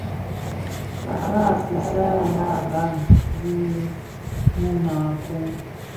Baa (kisyea) yàa ban bì mum a kɔɔ.